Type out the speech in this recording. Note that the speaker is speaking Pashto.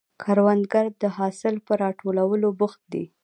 کروندګر د حاصل پر راټولولو بوخت دی